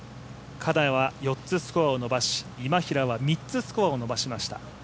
金谷は４つスコアを伸ばし今平は３つスコアを伸ばしました。